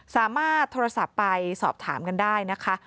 สามารถโทรศัพท์ไปสอบถามกันได้นะคะ